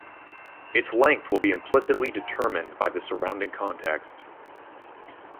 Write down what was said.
Its length will be implicitly determined by the surrounding context.